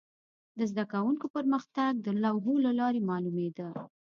د زده کوونکو پرمختګ د لوحو له لارې معلومېده.